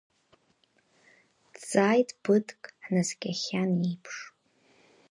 Дҵааит ԥыҭк ҳнаскьахьан еиԥш.